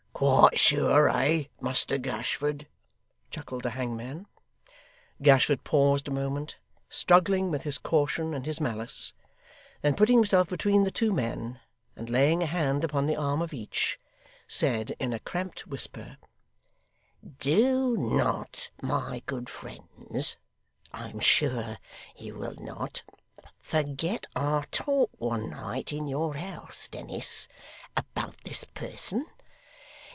'Quite sure, eh, Muster Gashford?' chuckled the hangman. Gashford paused a moment, struggling with his caution and his malice; then putting himself between the two men, and laying a hand upon the arm of each, said, in a cramped whisper: 'Do not, my good friends I am sure you will not forget our talk one night in your house, Dennis about this person.